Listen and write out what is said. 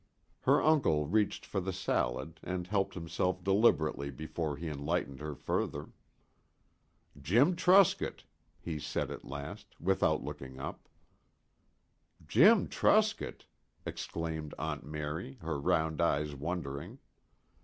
Her uncle reached for the salad, and helped himself deliberately before he enlightened her further. "Jim Truscott," he said at last, without looking up. "Jim Truscott?" exclaimed Aunt Mary, her round eyes wondering.